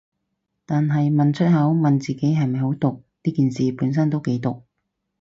但係問出口，問自己係咪好毒，呢件事本身都幾毒